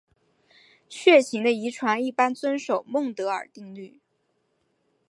血型的遗传一般遵守孟德尔定律。